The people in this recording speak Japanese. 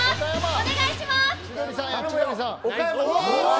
お願いします。